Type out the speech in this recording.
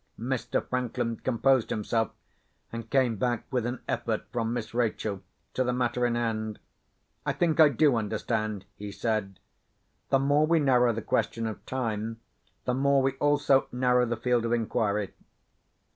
Mr. Franklin composed himself, and came back with an effort from Miss Rachel to the matter in hand. "I think I do understand," he said. "The more we narrow the question of time, the more we also narrow the field of inquiry."